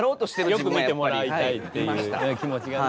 良く見てもらいたいっていう気持ちがね。